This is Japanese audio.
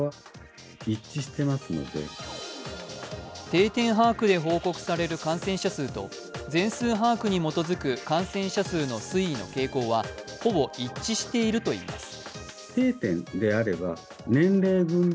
定点把握で報告される感染者数と全数把握に基づく感染者数の推移の傾向はほぼ一致しているといいます。